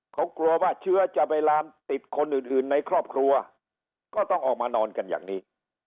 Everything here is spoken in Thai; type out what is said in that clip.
เขากลัวว่าเชื้อจะไปลามติดคนอื่นในครอบครัวก็ต้องออกมานอนกันอย่างนี้